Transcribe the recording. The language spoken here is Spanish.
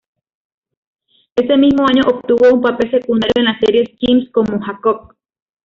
Ese mismo año obtuvo un papel secundario en la serie "Skins", como Jakob.